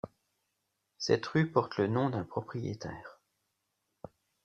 Cette rue porte le nom d'un propriétaire.